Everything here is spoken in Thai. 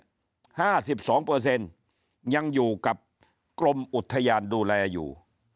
ห้าสิบสองเปอร์เซ็นต์ยังอยู่กับกลมอุทยานดูแลอยู่